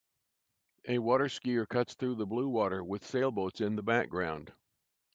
A waterskier cuts through the blue water with sailboats in the background.